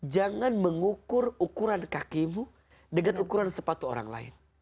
jangan mengukur ukuran kakimu dengan ukuran sepatu orang lain